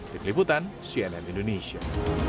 di keliputan cnn indonesia